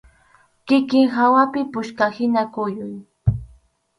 Kikin hawapi puchkahina kuyuy.